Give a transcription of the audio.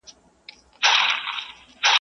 د شپې هر سړى بېرېږي، څوک حال وايي، څوک ئې نه وايي.